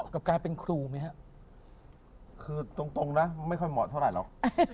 ก็คือตรงนะไม่ค่อยเหมาะเท่าไหร่หรอก